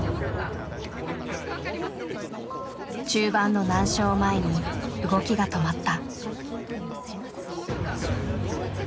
中盤の難所を前に動きが止まった。